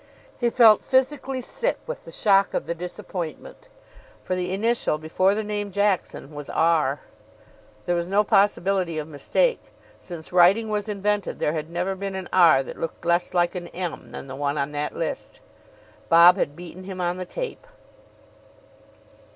He felt physically sick with the shock of the disappointment. For the initial before the name Jackson was R. There was no possibility of mistake. Since writing was invented, there had never been an R. that looked less like an M. than the one on that list. Bob had beaten him on the tape.